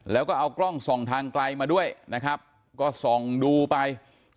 แล้วก็เอากล้องส่องทางไกลมาด้วยนะครับก็ส่องดูไป